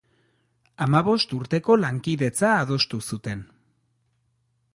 Hamabost urteko lankidetza adostu zuten.